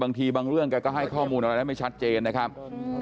บางทีบางเรื่องแกก็ให้ข้อมูลอะไรได้ไม่ชัดเจนนะครับ